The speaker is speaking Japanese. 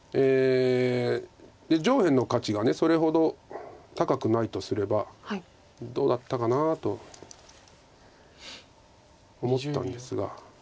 上辺の価値がそれほど高くないとすればどうだったかなと思ったんですが。